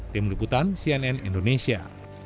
tim liputan cnn indonesia